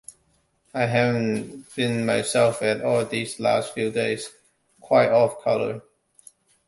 I haven't been myself at all these last few days—quite off color.